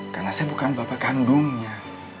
karena saya bukan bapak kandungnya